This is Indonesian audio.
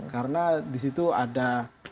karena di situ ada